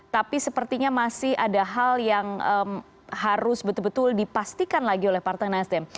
tapi sepertinya masih ada hal yang harus betul betul dipastikan lagi oleh partai nasdem